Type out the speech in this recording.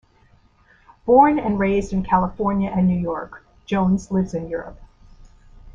Born and raised in California and New York, Jones lives in Europe.